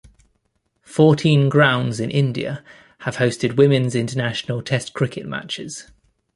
Fourteen grounds in India have hosted women's international Test cricket matches.